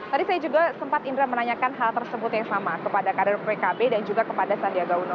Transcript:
tadi saya juga sempat indra menanyakan hal tersebut yang sama kepada karir pkb dan juga kepada sandiaga uno